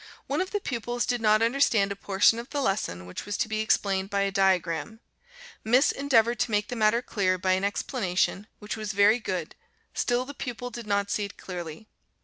One of the pupils did not understand a portion of the lesson which was to be explained by a diagram. Miss endeavored to make the matter clear by an explanation, which was very good, still the pupil did not see it clearly.